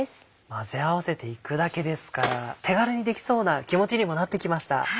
混ぜ合わせていくだけですから手軽にできそうな気持ちにもなってきました。